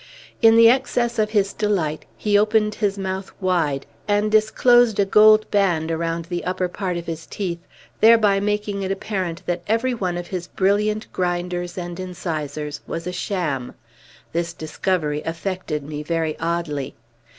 In the excess of his delight, he opened his mouth wide, and disclosed a gold band around the upper part of his teeth, thereby making it apparent that every one of his brilliant grinders and incisors was a sham. This discovery affected me very oddly.